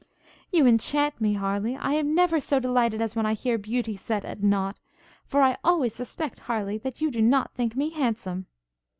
'You enchant me, Harleigh! I am never so delighted as when I hear beauty set at nought for I always suspect, Harleigh, that you do not think me handsome?'